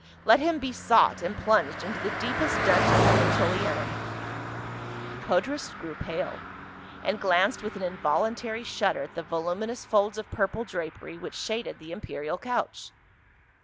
Let him be sought and plunged into the deep est dungeon of the Tullianum." CAWS, THE GOD. 155 Codrus grew pale and glanced with an involuntary shudder at the voluminous folds of purple drapery which shaded the imperial couch.